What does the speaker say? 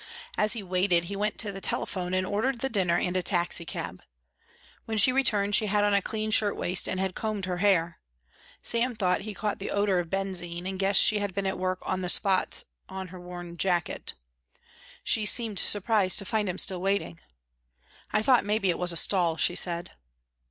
As he waited he went to the telephone and ordered the dinner and a taxicab. When she returned she had on a clean shirtwaist and had combed her hair. Sam thought he caught the odour of benzine, and guessed she had been at work on the spots on her worn jacket. She seemed surprised to find him still waiting. "I thought maybe it was a stall," she said.